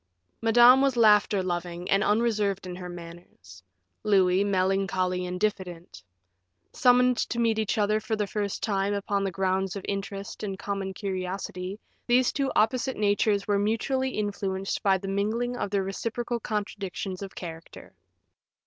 Madame was laughter loving and unreserved in her manners; Louis, melancholy and diffident. Summoned to meet each other for the first time upon the grounds of interest and common curiosity, these two opposite natures were mutually influenced by the mingling of their reciprocal contradictions of character.